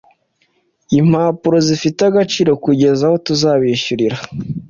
impapuro zifite agaciro kugeza aho tuzabishyurira